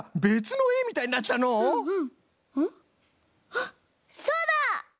あっそうだ！